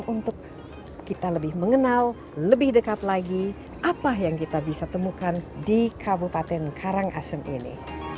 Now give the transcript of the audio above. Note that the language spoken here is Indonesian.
untuk kita lebih mengenal lebih dekat lagi apa yang kita bisa temukan di kabupaten karangasem ini